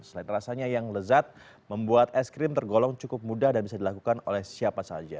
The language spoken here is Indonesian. selain rasanya yang lezat membuat es krim tergolong cukup mudah dan bisa dilakukan oleh siapa saja